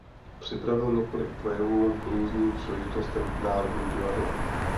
Připravil několik projevů k různým příležitostem v Národním divadle.